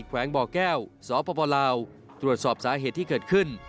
แวงบ่อแก้วสปลาวตรวจสอบสาเหตุที่เกิดขึ้น